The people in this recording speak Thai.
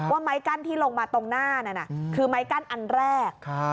ไม้กั้นที่ลงมาตรงหน้านั่นคือไม้กั้นอันแรก